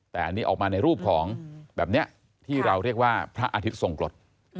แต่อันนี้ออกมาในรูปของแบบนี้ที่เราเรียกว่าพระอาทิตย์ทรงกรด